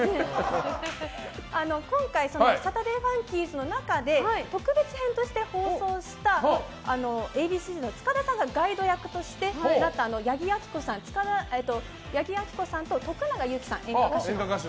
今回「サタデーファンキーズ」の中で特別編として放送した、Ａ．Ｂ．Ｃ‐Ｚの塚田さんがガイド役として八木亜希子さんと徳永ゆうきさん、演歌歌手の。